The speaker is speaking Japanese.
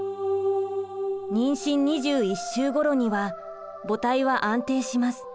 妊娠２１週ごろには母胎は安定します。